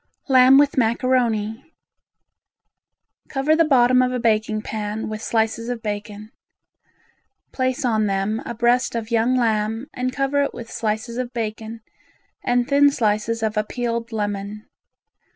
Lamb with Macaroni Cover the bottom of a baking pan with slices of bacon. Place on them a breast of young lamb and cover it with slices of bacon and thin slices of a peeled lemon.